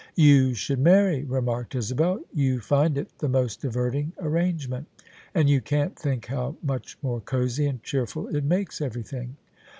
" You should marry," remarked Isabel :" you find it the most diverting arrangement. And you can't think how much more cosey and cheerful it makes everything."